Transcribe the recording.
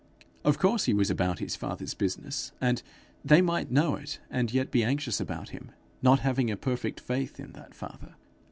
Of course he was about his father's business, and they might know it and yet be anxious about him, not having a perfect faith in that father.